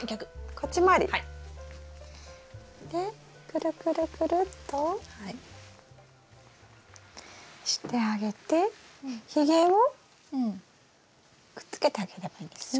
でくるくるくるっとしてあげてひげをくっつけてあげればいいんですね？